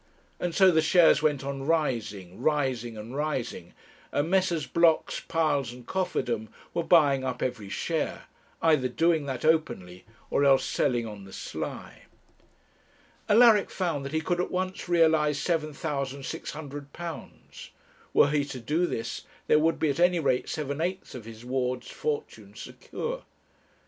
And so the shares went on rising, rising, and rising, and Messrs. Blocks, Piles, and Cofferdam were buying up every share; either doing that openly or else selling on the sly. Alaric found that he could at once realize £7,600. Were he to do this, there would be at any rate seven eighths of his ward's fortune secure.